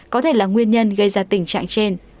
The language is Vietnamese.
có thể là nguyên nhân gây ra tình trạng trên